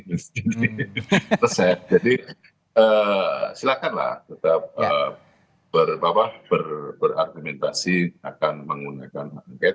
jadi silahkanlah tetap berargumentasi akan menggunakan hak angket